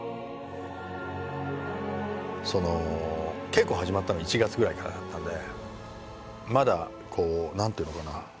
その稽古始まったのは１月ぐらいからだったんでまだこう何て言うのかな。